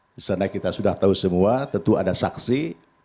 disana kita sudah tahu semua tentu ada saksi